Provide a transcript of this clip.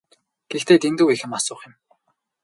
Гэхдээ дэндүү их юм асуух юм.